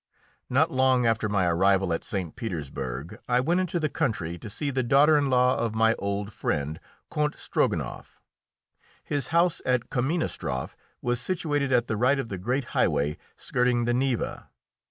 Not long after my arrival at St. Petersburg I went into the country to see the daughter in law of my old friend, Count Strogonoff. His house at Kaminostroff was situated at the right of the great highway skirting the Neva.